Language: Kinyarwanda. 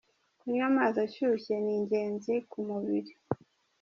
Kunywa amazi ashyushye ni ingenzi ku mubiri